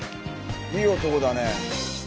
いい男だね。